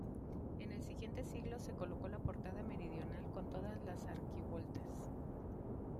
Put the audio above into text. En el siguiente siglo, se colocó la portada meridional, con todas las arquivoltas.